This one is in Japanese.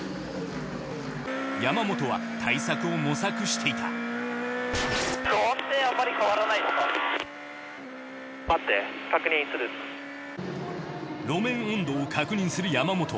山本は対策を模索していた路面温度を確認する山本。